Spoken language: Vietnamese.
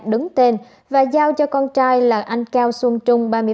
đứng tên và giao cho con trai là anh cao xuân trung